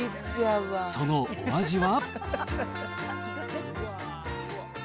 そのお味は？